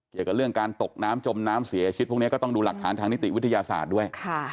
เกี่ยวกับเรื่องการตกน้ำจมน้ำเสียชีวิตพวกนี้ก็ต้องดูหลักฐานทางนิติวิทยาศาสตร์ด้วย